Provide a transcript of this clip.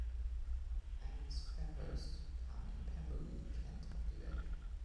Angus Fairhurst kam in Pembury, Kent, auf die Welt.